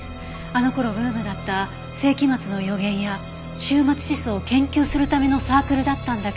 あの頃ブームだった世紀末の予言や終末思想を研究するためのサークルだったんだけど。